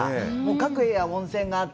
各部屋温泉があってね